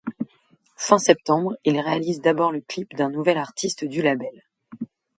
Fin septembre, il réalise d'abord le clip d'un nouvel artiste du label.